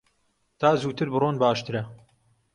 تا زووتر بڕۆن باشترە.